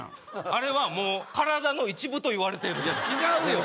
あれはもう体の一部といわれてるいや違うよ